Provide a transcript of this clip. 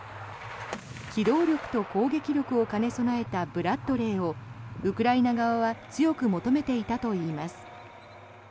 機動力と攻撃力を兼ね備えたブラッドレーをウクライナ側は強く求めていたといいます。